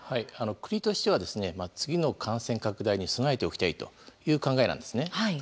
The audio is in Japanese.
国としては次の感染拡大に備えておきたいという考えなんですね。